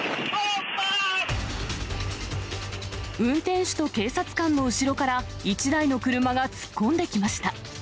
運転手と警察官の後ろから、１台の車が突っ込んできました。